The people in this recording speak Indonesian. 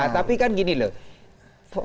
tapi kan gini loh